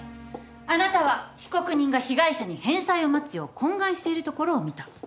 あなたは被告人が被害者に返済を待つよう懇願しているところを見た。